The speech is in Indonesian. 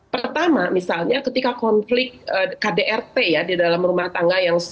pertama misalnya ketika konflik kdrt ya di dalam rumah tangga yang